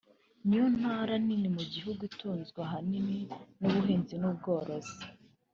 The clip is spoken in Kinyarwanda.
niyo ntara nini mu gihugu itunzwe ahanini n’ubuhinzi n’ubworozi